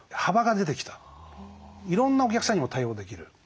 いろんなお客さんにも対応できる。